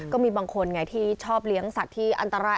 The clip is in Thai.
ก็มีบางคนไงที่ชอบเลี้ยงสัตว์ที่อันตราย